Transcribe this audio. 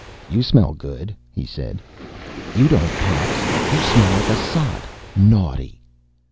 "You smell good," he said. "You don't, Pops. You smell like a sot. Naughty!"